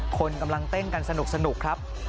คนกำลังเต้นกันสนุกครับ